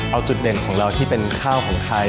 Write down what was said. เอาจุดเด่นของเราที่เป็นข้าวของไทย